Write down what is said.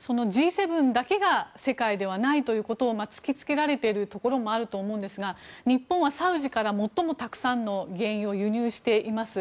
Ｇ７だけが世界ではないということを突きつけられているところもあると思うんですが日本はサウジから最もたくさんの原油を輸入しています。